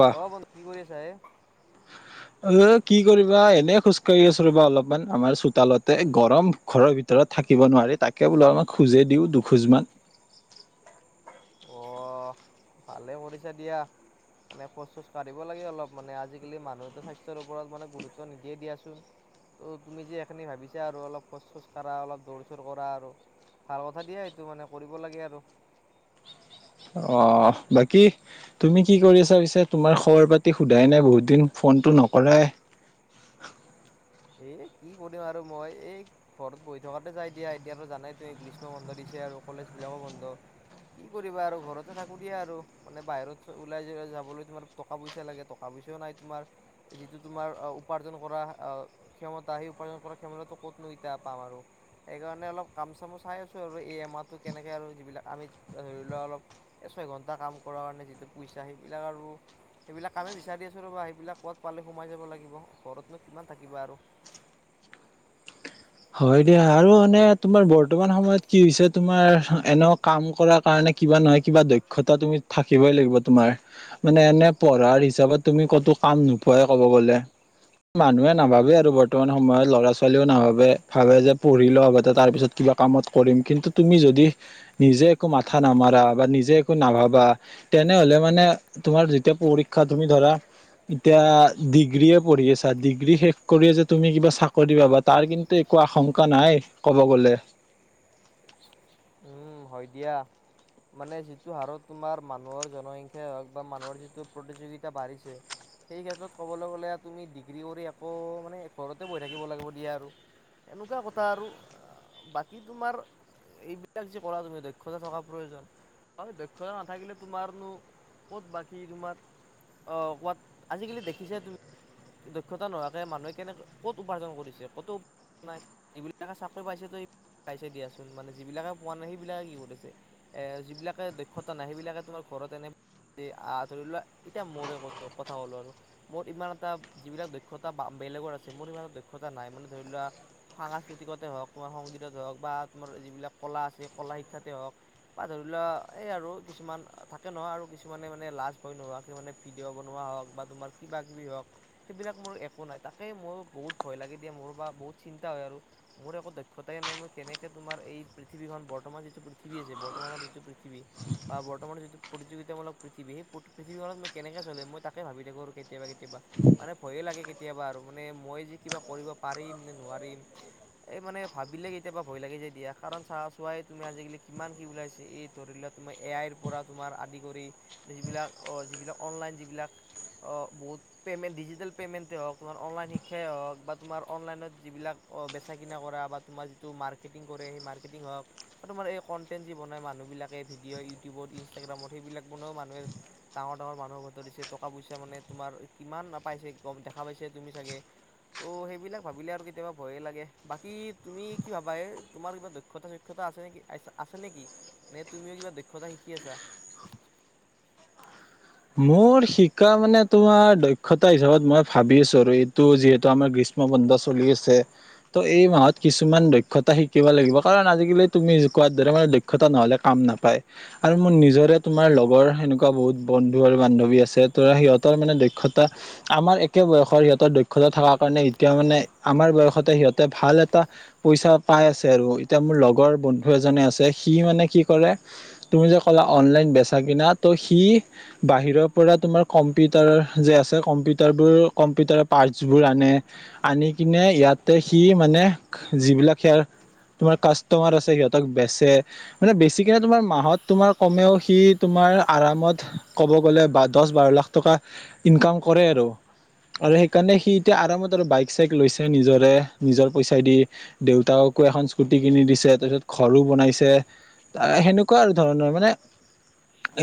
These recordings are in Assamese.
কোৱা অ বন্ধু কি কৰি আছ হে? অ কি কৰিবা এনে খোজ কঢ়ি আছো ৰবা অলপমান আমাৰ চোতালতে, এ গৰম ঘৰৰ ভিতৰত থাকিব নোৱাৰে। এ তাকে বোলো খুঁজেয়ে দিওঁ দুখোজ মান। অ ভালে কৰিছা দিয়া। মানে খোচ চোজ কাঢ়িব লাগে অলপ, মানে আজিকালি মানুহেতো স্বাস্থ্যৰ ওপৰত মানে গুৰুত্ব নিদিয়ে দিয়াচোন। ত' তুমি যে এইখিনি ভাবিছা আৰু অলপ খোচ চোচ কাঢ়া, অলপ দৌৰ চোৰ কৰা আৰু। ভাল কথা দিয়া সটো মানে কৰিব লাগে আৰু। অ বাকী তুমি কি কৰি আছা পিছে? তোমাৰ খবৰ পাতি সোধাই নাই বহুত দিন, ফোন টো নকৰাই। এ কি কৰিম আৰু মই, এই ঘৰত বৈ থকাতে যাই দিয়া, এতিয়া জানাই তুমি গ্ৰীষ্ম মণ্ডল দি। দিছে আৰু কলেজবিলাকো বন্ধ। কি কৰিবা আৰু ঘৰতে থাকো দিয়া আৰু মানে বাহিৰত ওলাই যাবলৈ তোমাৰ টকা পইচা লাগে, টকা। পইচাও নাই তোমাৰ, যিটো তোমাৰ উপাৰ্জন কৰা ক্ষমতা আহি উপাৰ্জন কৰা ক্ষমতাটো ক'তনো এতিয়া পাম আৰু, সেইকাৰণে অলপ কাম চামো চাই আছো আৰু। ই এ মাৰ টো কেনেকে আৰু যিবিলাক আমি ধৰিলোৱা অলপ এ ছইঘণ্টা কাম কৰা কাৰণে যিটো পইচা সেই। আৰু সেইবিলাক কামেই বিচাৰি আছোঁ ৰ'বা সেইবিলাক ক'ত পালে সোমাই যাব লাগিব, ঘৰতনো কিমান। থাকিবা আৰু। হয় দিয়া আৰু মানে তোমাৰ বৰ্তমান সময়ত কি হৈছে তোমাৰ এনে কাম কৰাৰ কাৰণে। কিবা নহয় কিবা দক্ষতা তুমি থাকিবই লাগিব তোমাৰ, মানে এনে পঢ়াৰ হিচাপত তুমি কটো। কাম নোপোৱাই ক'ব গ'লে, মানুহে নাভাবে আৰু বৰ্তমান সময়ত ল'ৰা ছোৱালীও নাভাবে। ভাবে যে পঢ়ি লোৱাগতে তাৰ পিছত কিবা কামত কৰিম, কিন্তু তুমি যদি নিজে একো মাথা নামা। মাৰা বা নিজে একো নাভাবা তেনেহলে মানে তোমাৰ যেতিয়া পৰীক্ষা তুমি ধৰা। এতিয়া ডিগ্ৰে পঢ়ি আছা, ডিগ্ৰী শেষ কৰিয়ে যে তুমি কিবা চাকৰি পাবা, তাৰ কিন্তু। একো আশংকা নাই ক'ব গলে। উ হয় দিয়া। মানে যিটো হাৰত তোমাৰ মানুহৰ জনসংখ্যা হওক বা মানুহৰ যিটো প্ৰতিযোগিতা বাঢ়িছে সেই ক্ষেত্ৰত ক'বলৈ গ'লে তুমি ডিগ্ৰী কৰি আকৌ মানে, ঘৰতে বহি থাকিব লাগিব দিয়া আৰু। এনেকোৱা কথা আৰু বাকী তোমাৰ এইবিলাক যে পৰা তুমি দক্ষতা থকা প্ৰয়োজন। হয় দক্ষতা নাথাকিলে তোমাৰ নো ক'ত বাকী তোমাৰ অ কোৱাত, আজিকালি দেখিছে তুমি দক্ষতা নোহোৱাকে মানুহে কেনেকে ক'ত উপাৰ্জন কৰিছে ক'তো নাই এইবিলাকে চাকৰি পাইছে তো পাইছে দিয়াচোন মানে যিবিলাকে পোৱা নাই সেইবিলাকে কি কৰিছে, এ যিবিলাকে দক্ষতা নাই সেইবিলাকে তোমাৰ ঘৰত এনে আঁ ধৰি লোৱা এতিয়া মোৰে কথা কলোঁ আৰু মোৰ ইমান তাপ যিবিলাক দক্ষতা বা বেলেগৰ আছিল, মোৰ ইমান দক্ষতা নাই মানে, ধৰি লোৱা সাংস্কৃতিকতে হওক বা সংগীতত হওক বা তোমাৰ যিবিলাক কলা আছে কলা শিক্ষাতে হওক বা ধৰি লোৱা এই আৰু কিছু মান থাকে নহয় আৰু কিছুমানে মানে লাজ ভয় নোহোৱাকে মানে ভিডিঅ' বনোৱা হওক বা তোমাৰ কিবা কিবি হওক সেইবিলাক মোৰ একো নাই তাকেই মোৰ বহুত ভয় লাগি দিয়ে মোৰ বা বহুত চিন্তা হয় আৰু মোৰ একো দ ক্ষতাই নাই মই কেনেকৈ তোমাৰ এই পৃথিৱীখন বৰ্তমানৰ যিটো পৃথিৱী আছে বৰ্তমানৰ যিটো পৃথিৱী বা বৰ্তমান যিটো প্ৰতিযোগিতামলক পৃথিৱী সেই পৃথিৱীখনত মই কেনেকৈ চলে মই তাকে ভাবি থাকো কেতিয়াবা কেতিয়াবা মানে ভয়ে লাগে কেতিয়াবা আৰু মানে মই যে কিবা কৰিব পাৰিম নে নোৱাৰিম। এই মানে ভাবিলে কেতিয়াবা ভয় লাগি যায় দিয়া কাৰণ চাহ চোৱাই তুমি আজিকালি কিমান কি ওলাইছে এই ধৰি লোৱা। তোমাৰ এ আইৰ পৰা তোমাৰ আদি কৰি যিবিলাক যিবিলাক অনলাইন যিবিলাক অ বহুত পে'মেণ্ট ডিজিটেল পে'মেণ্টেই হওক তোমাৰ অনলাইন শিক্ষাই হওক বা তোমাৰ অনলাইনত যিবিলাক বেচা কিনা কৰা। বা তোমাৰ যিটো মাৰ্কেটিং কৰে সেই মাৰ্কেটিং হওক বা তোমাৰ এই কনটেণ্ট যে বনাই মানুহ বিলাকে ভিডিও ইউটিউবত ইনষ্টাগ্ৰামত সেইবিলাকা বনাইও মানুহে ডাঙৰ ডাঙৰ মানুহক ঘতৰিছে টকা পইচ মানে তোমাৰ কিমান নাপাইছে কম দেখা পাইছে তুমি চাগে ত' সেইবিলাক ভাবিলে আৰু কেতিয়াবা ভয়ে লাগে বাকী। কি তুমি কি ভাবা এ তোমাৰ কিবা দক্ষতা সক্ষ্তা আছে নেকি আছে নেকি নে তুমিও কিবা দক্ষ তা শিকি আছা। [unintelligible] মোৰ শিকা মানে তোমাৰ দক্ষতা হিচাপত মই ভাবি আছো আৰু এইটো যিহেতু আমাৰ গ্ৰীষ্ম বন্ধ চলি আছে ত' এই মাহত কিছুমান দক্ষতা শিকিব লাগিব কাৰণ আজিকালি তুমি কোৱাৰ দৰে মে দক্ষতা নহলে কাম নাপায় আৰু মোৰ নিজৰে তোমাৰ লগৰ সেনেকোৱা বহুত বন্ধু আৰু বান্ধৱী আছে তো সিহঁতৰ মানে দক্ষতা আমাৰ একে বয়সৰ সিহঁতৰ দক্ষতা থকা কা ৰণে মানে এতিয়া মানে আমাৰ বয়সতে সিহঁতে ভাল এটা পইচা পাই আছে আৰু এতিয়া মোৰ লগৰ বন্ধু এজনে আছে সি মানে কি কৰে তুমি যে ক'লা অনলাইন বেচা কিনা ত' সি বাহিৰৰ পৰা তোমাৰ কম্পিউটাৰ যে আছে কম্পিউটাৰ বোৰ কম্পিউটাৰৰ পাৰ্টছ বোৰ আনে। আনি কিনে ইয়াতে সি মানে যিবিলাক সেয়াৰ তোমাৰ কাষ্টমাৰ আছে সিহঁতক বেচে মানে বেচিকনে তোমাৰ মাহত তোমাৰ কমেও সি তোমাৰ তোমাৰ আৰামত কব গলে দচ বাৰ লাখ টকা ইনকাম কৰে আৰু আৰু সেইকাৰণে সি এতিয়া আৰামত আৰু বাইক চাইক লৈছে নিজৰে নিজৰ পইচা দি দেউতাক কো এখন স্কুটি কিনি দিছে তাৰপিছত ঘৰো বনাইছে সেনেকোৱা আৰু ধৰণৰ মানে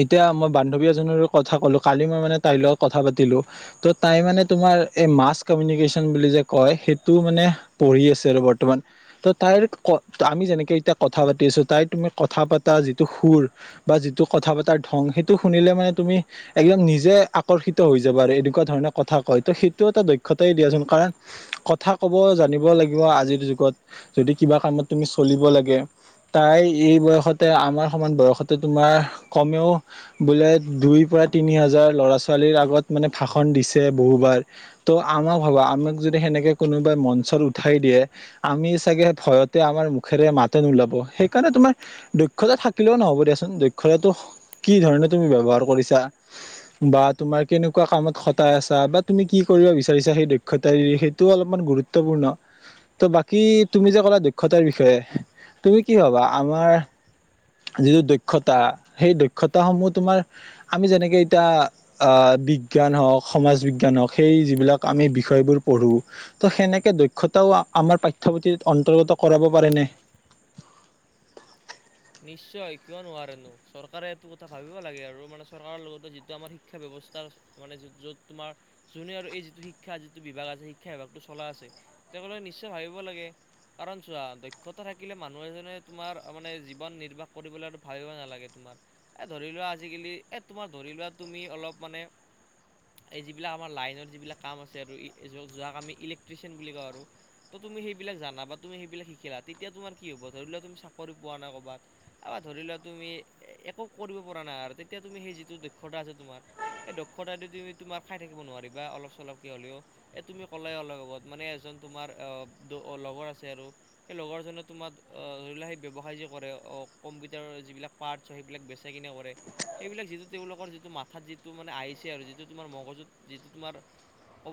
এতিয়া মই বান্ধৱী আ জনেৰো কথা কলো কালি মই মানে তাইৰ লগত কথা পাতি লো তাই মানে তোমাৰ এ মাছকমিনিকেচন বুলি যে কয় সেইটো মানে পঢ়ি আছে আৰু বৰ্তমান ত তাই আমি যেনেকে এতিয়া কথা পাতি আছো তাই তুমি কথা পতা যিটো সুৰ বা যিটো কথা পতাৰ ধং সেইটো শুনিলে মানে তুমি একদম নিজে আকৰ্ষিত হৈ যাবা আৰু এনেকোৱা ধৰণে কথা কয় ত সেইটো এটা দক্ষতাই দিয়াচোন। কাৰণ কথা ক'ব জানিব লাগিব আজিৰ যুগত যদি কিবা কামত তুমি চলিব লাগে। তাই এই বয়সতে আমাৰ সমান বয়সতে তোমাৰ কমেও বোলে দুই পৰা তিনি হাজাৰ ল'ৰা ছোৱালীৰ আগত মানে ভাষন দিছে বহুবাৰ ত' আমাৰ ভাবা আমাক যদি সেনেকে কোনোবাই মঞ্চত উঠাই দিয়ে আমি চাগে ভয়তে আমাৰ মুখেৰে মাতে নোলাব সেইকাৰণে তোমাৰ দক্ষতা থাকিলেও নহ'ব দিয়া চোন দক্ষতাটো তুমি কি ধৰণে তুমি লবা কৰিছা বা তোমাৰ কেনেকুৱা কামত খটাই আছা বা তুমি কি কৰিব বিচাৰিছা সেই দক্ষত সেইটোও অলপমান গুৰুত্বপূৰ্ণ। ত' বাকী তুমি যে ক'লা দক্ষতাৰ বিষয়ে তুমি কি ভবা? আমাৰ যিটো দক্ষতা সেই দক্ষতাসমূহ তোমাৰ আমি যেনেকে এতিয়া আহ বিজ্ঞান হওঁক সমাজ বিজ্ঞান হওঁক সেই যিবিলাক আমি বিষয়বোৰ পঢ়ো ত' সেনেকে দক্ষতা। আমাৰ পাঠ্যপুথিত অন্তৰ্গত কৰাব পাৰেনে? নিশ্চয় কিয় নোৱাৰেনো চৰকাৰে এইটো কথা ভাবিব লাগে আৰু মানে চৰকাৰৰ লগতে যিটো আমাৰ শিক্ষা ব্যৱস্থা স্থ মানে য'ত তোমাৰ যোনে আৰু এই যিটো শিক্ষা যিটো বিভাগ আছে শিক্ষা বিভাগটো চলা আছে তেওঁলোক নিশ্চয় ভাবিব লাগে। কাৰণ চোৱা দক্ষতা থাকিলে মানুহ এজনে তোমাৰ মানে জীৱন নিৰ্বাহ কৰিবলৈতো ভাবিবই নালাগে তোমাৰ, এই ধৰি লোৱা আজিকালি এই তোমাৰ ধৰি লোৱা তুমি অলপ মানে এই যিবিলাক আমাৰ লাইনৰ যিবিলাক কাম আছে আৰু যাক আমি ইলেক্ট্ৰিচিয়ান বুলি কওঁ আৰু। ত তুমি সেইবিলাক জান বা তুমি সেইবিলাক শিকিলা তেতিয়া তোমাৰ কি হব ধৰি লোৱা তুমি চৰি পোৱা নাই কব। ধৰি লোৱা তুমি একো কৰিব পৰা নাই আৰু তেতিয়া তুমি সেই যিটো দক্ষতা আছে তোমাৰ এই দক্ষতাটো তুমি তোমাক খাই থাকিব নোৱাৰিবা অলপ চলপ কে হ'লেও এ' তুমি কলাই অলপ আগত মানে যিজন তোমাৰ এ দ লগৰ আছে আৰু সেই লগৰজনে তোমাৰ অহ ধৰি লোৱা সেই ব্যৱসায় যি কৰে অহ, কম্পিউটাৰৰ যিবিলাক পাৰ্টছ হয় সেইবিলাক বেচা- কিনা কৰে সেইবিলাক যিটো তেওঁলোকৰ যিটো মাথাত যিটো মানে আহিছে আৰু যিটো তোমাৰ মগজুত যিটো তোমাৰ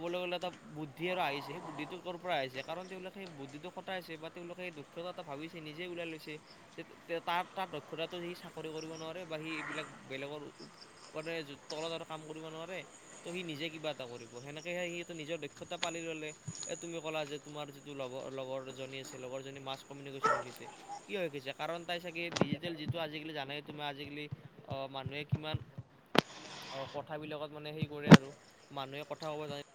ক'বলৈ গ'লে এটা বুদ্ধি আৰু আহিছে সেই বুদ্ধিটো কৰ পৰা আহিছে কাৰণ তেওঁলোকে সেই বুদ্ধিটো খটাইছে বা তেওঁলোকে দুক্ষতা এটা ভাবিছে নিজে ওলাই লৈছে। তে তাৰ - তাৰ দক্ষতাটো সি চাকৰি কৰিব নোৱাৰে বা সি এইবিলাক বেলেগৰ [unintelligible] তলত আৰু কাম কৰিব নোৱাৰে ত' সি নিজে কিবা এটা কৰিব। সেনেকেহে সিটো নিজৰ দক্ষতা পালে এ 'তুমি ক'লা যে তোমাৰ যিটো লগৰ লগৰ জনী আছে লগৰ জনী মাছকমিউনিকেচন শিকিছে কি হৈ গৈছা কাৰণ তাই চাগে ডিজিটেল যিটো আজিকালি জানাই তোমাৰ আজিকালি অহ মানুহে কিমান অ', কথাবিলাকত মানে সেই কৰে আৰু মানুহে কথা ক'ব জানে।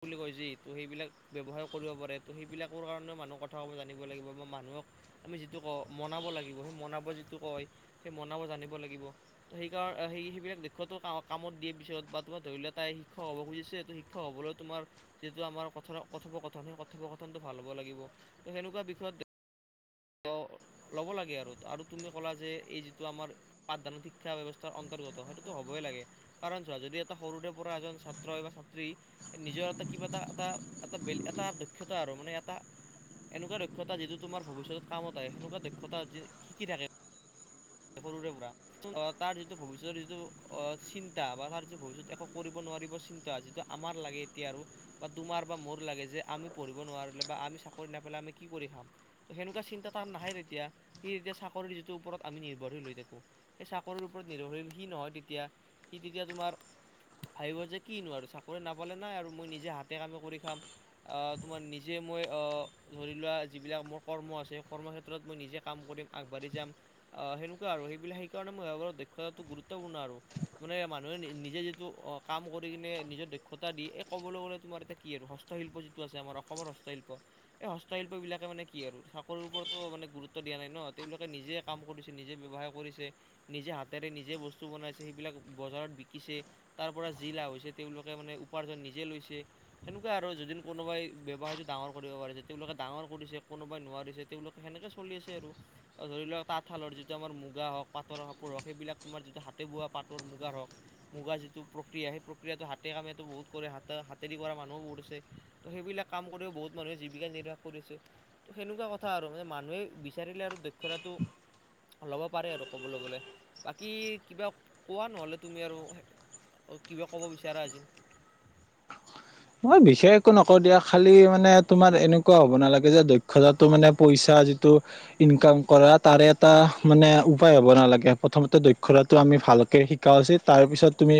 বুলি কয় যি ত' সেইবিলাক ব্যৱসায় কৰিব পাৰে ত' সেইবিলাকৰ কাৰণেও মানুহ কথা কব জানিব লাগিব বা মানুহ আমি যিটো কও মনাব লাগিব সেই মনাব যিটো কয় সেই মনাব জানিব লাগিব ত' সেই -সেইবিলাক দক্ষতো কামত দিয়ে পিছত বা তোমাৰ ধৰি লোৱা তাই শিক্ষক হ'ব খুজিছে সেইটো শিক্ষক হবলৈ তোমাৰ যিটো আমাৰ কথৰ -কথোপকথন সেই কথোপকথনটো ভাল হ'ব লাগিব ত' সেনেকুৱা বিষয়ত ল'ব লাগে আৰু আৰু তুমি ক'লা যে এই যিটো আমাৰ পাঠদানত শিক্ষা ব্যৱস্থাৰ অন্ত সেইটোতো হ'বই লাগে কাৰণ চোৱা যদি এটা সৰুৰে পৰা এজন ছাত্ৰ হয় বা ছাত্ৰী নিজৰ এটা কিবা এটা এটা -এটা বেল এটা দক্ষতা আৰু মানে এটা এনেকুৱা দক্ষতা যিটো তোমাৰ ভৱিষ্যত কামত আহে সেনেকুৱা দক্ষতা আজি শিকি থাকে। সৰুৰে পৰা তাৰ যিটো ভৱিষ্যতৰ যিটো অ' চিন্তা বা তাৰ যিটো ভৱিষ্যত একো কৰিব নোৱাৰিব চিন্তা যিটো আমাৰ লাগে এতিয়া আৰু বা তোমাৰ বা মোৰ লাগে যে আমি পঢ়িব নোৱাৰিলোঁ বা আমি চা চাকৰি নাপেলাই আমি কি কৰি খাম সেনেুকু ৱা চিন্তা তাৰ নাহে সি তেতিয়া সি তেতিয়া চাকৰিৰ যিটো ওপৰত আমি নিৰ্ভৰশীল হৈ থাকোঁ সেই চাকৰিৰ ওপৰত নিৰ্ভৰশীল সি নহয় তেতিয়া সি তেতিয়া তোমাৰ ভাবিব যে কিনো আৰু চাকৰি নাপালে নাই আৰু মই নিজে হাতে- কামে কৰি খাম আহ তোমাৰ নিজে মই ধৰি লোৱা যিবিলাক মোৰ কৰ্ম আছে কৰ্মক্ষেত্ৰত মই নিজে কাম কৰিম আগবাঢ়ি যাম। আহ, সেনেকুৱা আৰু সেইবিলাক সেইকাৰণে মই দক্ষতাটো গুৰুত্বপূৰ্ণ আৰু মানে মানুহে নিজে যিটো অহ, কাম কৰি কিনে নিজৰ দক্ষতা দি এই ক'বলৈ গ'লে তোমাৰ এতিয়া কি আৰু হস্তশিল্প যিটো আছে আমাৰ অসমৰ হস্তশিল্প এই হস্তশিল্প বিলাকে মানে কি আৰু চাকৰিৰ ওপৰতো মানে গুৰুত্ব দিয়া নাই ন' তেওঁলোকে নিজে কাম কৰিছে নিজে ব্যৱসায় কৰিছে নিজে হাতেৰে নিজে বস্তু বনাইছে সেইবিলাক বজাৰত বিকিছে তাৰ পৰা যি লাভ হৈছে তেওঁলোকে মানে উপাৰ্জন নিজে লৈছে তেনেকুৱা আৰু যদি কোনোবাই ব্যৱসায় ডাঙৰ কৰিব পাৰিছে তেওঁলোকে ডাঙৰ কৰিছে কোনোবাই নোৱাৰিছে তেওঁলোকে সেনেকে চলি আছে আৰু অহ ধৰি লোৱা তাঁতশালৰ যিটো আমাৰ মুগা হওক পাটৰ কাপোৰ হওক সেইবিলাক তোমাৰ যিটো হাতে বোৱা পাটৰ মুগাৰ হওক মুগা য যিটো প্ৰক্ৰিয়া সেই প্ৰক্ৰিয়াটো হাতে কামে বহুত কৰে হাত- হাতেদি কৰা মানুহো বহুত আছে ত' সেইবিলাক কাম কৰি বহুত মানুহে জীৱিকা নিৰ্বাহ কৰিছে ত' সেনেকুৱা কথা আৰু মানে মানুহে বিচাৰিলে আৰু দক্ষতাটো [inaudible] ল'ব পাৰে আৰু ক'বলৈ গ'লে বাকী কিবা কোৱা নহ'লে তুমি আৰু? অ কিবা ক'ব বিচাৰা আজি [unintelligible] মই বিশেষ একো নকওঁ দিয়া খালি মানে তোমাৰ এনেকুৱা হ'ব নালাগে যে দক্ষতাটো মানে পইচা বা যিটো ইনকাম কৰা তাৰ এটা উপাই হব নালাগে প্ৰথমতে দক্ষতাতো আমি ভালকে শিকা উচিত তাৰ পিছত তুমি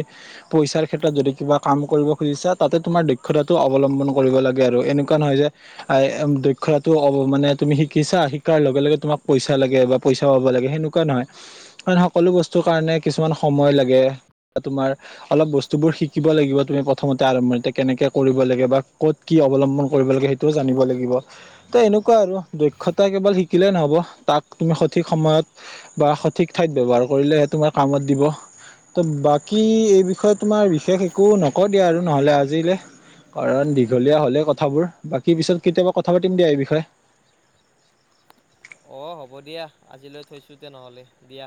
পইচাৰ ক্ষেত্ৰত যদি কিবা কাম কৰিব খুজিছা তাতে তোমাৰ দক্ষতাটো অৱলম্বন কৰিব লাগে আৰু এনেকুৱা নহয় যে আহ দক্ষতাটো অব মানে তুমি শিকিাছা শিকাৰ লগে -লগে তোমাক পইচা লাগে বা পইচা পাব লাগে সেনেকুৱা নহয় কাৰণ সকলো বস্তু কাৰণে কিছুমান সময় লাগে তোমাৰ অলপ বস্তু বোৰ শিকিব লাগিব তুমি প্ৰথমতে আৰম্ভণিতে কেনেকে কৰিব লাগে বা ক'ত কি অৱলম্বন কৰিব লাগে সেইটোও জানিব লাগিব ত' এনেকুৱাই আৰু দক্ষ ক্ষতা কেৱল শিকিলে নহ'ব তাক তুমি সঠিক সময়ত বা সঠিক ঠাইত ব্যৱহাৰ কৰিলেহে তোমাক কামত দিব ত' বাকী এই বিষয়ে তোমাৰ বিশেষ একো নক দিয়া আৰু নহ'লে আজি আজিলে। কাৰণ দীঘলীয়া হলে কথাবোৰ বাকী পিছত কেতিয়াবা কথা পাতিম দিয়া এই বিষয়ে। [unintelligible] অ হ'ব দিয়া আজিলৈ থৈছো তে নহ'লে দিয়া।